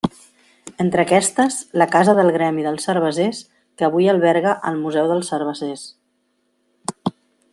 Entre aquestes, la casa del gremi dels cervesers que avui alberga el Museu dels Cervesers.